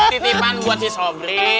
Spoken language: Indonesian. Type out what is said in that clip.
titipan buat si sobri